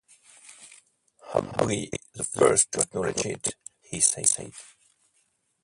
I'd be the first to acknowledge it, he said.